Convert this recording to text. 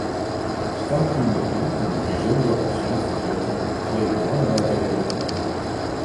Staat u me toe een bijzonder accent te leggen op twee belangrijke elementen.